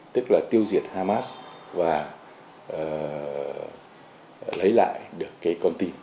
tức là tiêu diệt hamas và lấy lại được cái con tin